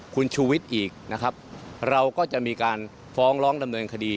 คุณชูวิทย์อีกนะครับเราก็จะมีการฟ้องร้องดำเนินคดี